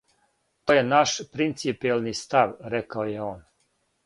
"То је наш принципијелни став," рекао је он.